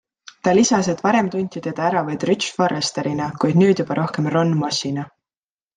Ta lisas, et varem tunti teda ära vaid Ridge Forresterina, kuid nüüd juba rohkem Ronn Mossina.